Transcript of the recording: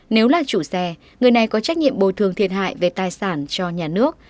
nếu là chủ xe người này có trách nhiệm bồi thường thiệt hại về tài sản cho nhà nước